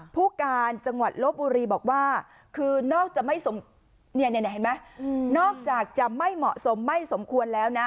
ผู้การจังหวัดลบอุรีบอกว่าคือนอกจะไม่เหมาะสมไม่สมควรแล้วนะ